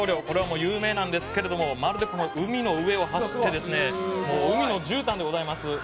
これは有名なんですけれどもまるで海の上を走ってですねもう海のじゅうたんでございます」